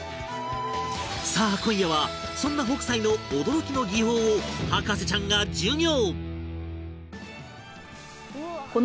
さあ今夜はそんな北斎の驚きの技法を博士ちゃんが授業